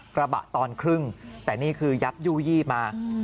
กระบะตอนครึ่งแต่นี่คือยับยู่ยี่มา